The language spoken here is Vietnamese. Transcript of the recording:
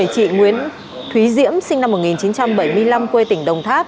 chị nguyễn thúy diễm sinh năm một nghìn chín trăm bảy mươi năm quê tỉnh đồng tháp